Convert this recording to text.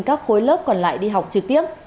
các khối lớp còn lại đi học trực tiếp